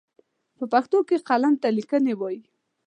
په پښتو کې قلم ته ليکنی وايي.